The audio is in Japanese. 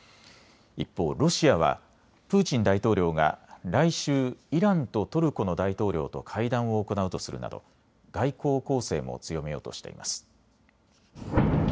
一方、ロシアはプーチン大統領が来週イランとトルコの大統領と会談を行うとするなど外交攻勢も強めようとしています。